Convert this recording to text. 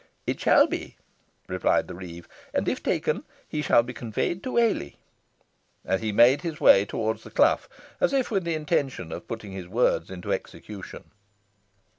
"It shall be," replied the reeve, "and, if taken, he shall be conveyed to Whalley." And he made towards the clough, as if with the intention of putting his words into execution.